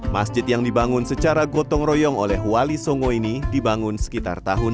masjid yang dibangun secara gotong royong oleh wali songo ini dibangun sekitar tahun seribu empat ratus delapan puluh